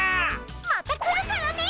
また来るからね！